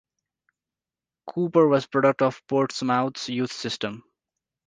Cooper was a product of Portsmouth's youth system.